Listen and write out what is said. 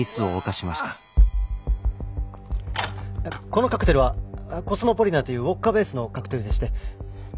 このカクテルはコスモポリタンというウォッカベースのカクテルでして。